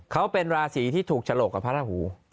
เขาเป็นราศีที่ถูกฉลกกับพระราหู